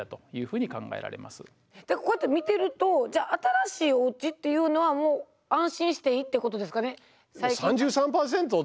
こうやって見てるとじゃあ新しいおうちっていうのはもう安心していいってことですかね？